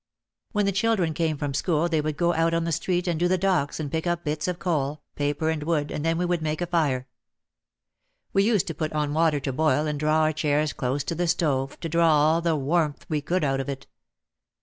When the children came from school they would go out on the street and to the docks and pick up bits of coal, paper and wood and then we would make a fire. We used to put on water to boil and draw our chairs close to the stove, to draw all the warmth we could out of it.